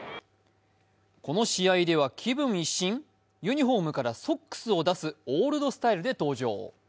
この試合は気分一新、ユニフォームからソックスを出すオールドスタイルで登場。